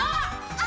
あ！